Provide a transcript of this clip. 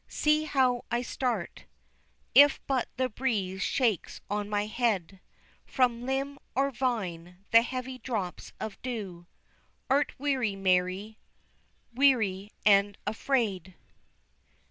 See how I start If but the breeze shakes on my head, From limb or vine, the heavy drops of dew Art weary Mary, weary and afraid?